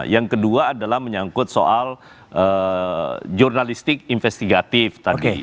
yang kedua adalah menyangkut soal jurnalistik investigatif tadi